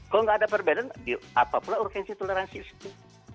kalau nggak ada perbedaan apapun urgensi toleransi itu